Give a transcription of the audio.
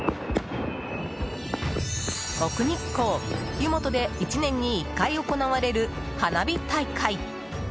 奥日光湯元で１年に１回行われる花火大会。